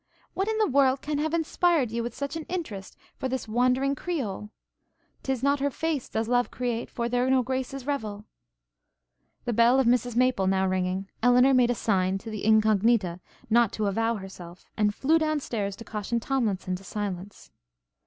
What in the world can have inspired you with such an interest for this wandering Creole? ''Tis not her face does love create, For there no graces revel.' The bell of Mrs Maple now ringing, Elinor made a sign to the Incognita not to avow herself, and flew down stairs to caution Tomlinson to silence.